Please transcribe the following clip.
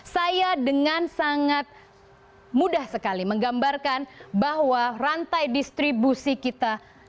saya dengan sangat mudah sekali menggambarkan bahwa rantai distribusi kita